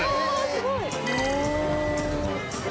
すごい！